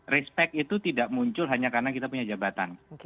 respect itu tidak muncul hanya karena kita punya jabatan